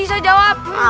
emang jawabannya apa